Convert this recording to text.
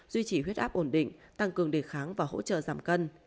duy trì huyết áp ổn định tăng cường đề kháng và hỗ trợ giảm cân